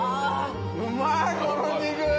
うまいこの肉。